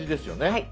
はい。